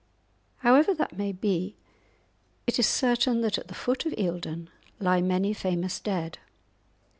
However that may be, it is certain that at the foot of Eildon lie many famous dead.